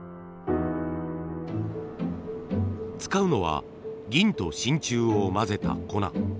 使うのは銀と真鍮を混ぜた粉。